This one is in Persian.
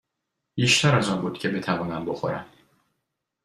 بیشتر از آن بود که بتوانم بخورم.